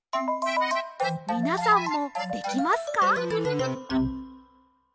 みなさんもできますか？